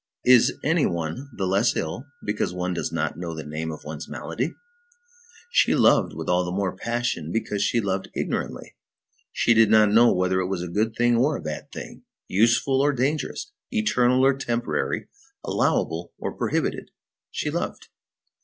Is any one the less ill because one does not know the name of one's malady? She loved with all the more passion because she loved ignorantly. She did not know whether it was a good thing or a bad thing, useful or dangerous, eternal or temporary, allowable or prohibited; she loved.